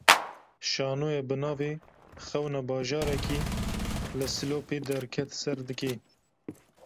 Şanoya bi navê "Xewna Bajarekî", li Silopî derket ser dikê